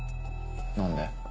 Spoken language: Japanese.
何で？